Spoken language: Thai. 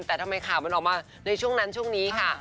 แต่ทำไมข่าวมันออกมาในช่วงนั้นช่วงนี้ค่ะ